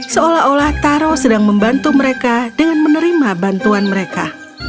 seolah olah taro sedang membantu mereka dengan menerima bantuan mereka